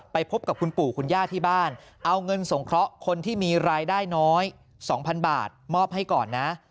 พบกับคุณปู่คุณย่าที่บ้านเอาเงินสงเคราะห์คนที่มีรายได้น้อย๒๐๐๐บาทมอบให้ก่อนนะ